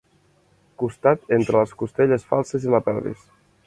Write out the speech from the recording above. Costat entre les costelles falses i la pelvis.